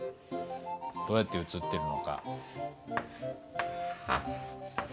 どうやって映ってるのか。